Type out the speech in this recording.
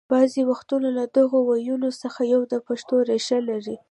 بعضې وختونه له دغو ويونو څخه یو د پښتو ریښه لري